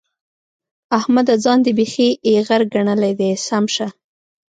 احمده! ځان دې بېخي ايغر ګڼلی دی؛ سم شه.